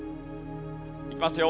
いきますよ。